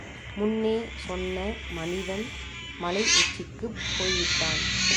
முன்னே சொன்ன மனிதன் மலை உச்சிக்குப் போய்விட்டான்.